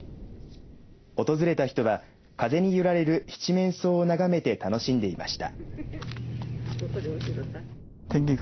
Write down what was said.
訪れた人は風に揺られるシチメンソウを眺めて楽しんでいました。